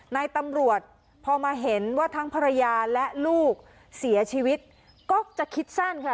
นายตำรวจพอมาเห็นว่าทั้งภรรยาและลูกเสียชีวิตก็จะคิดสั้นค่ะ